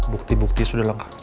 bukti bukti sudah lompat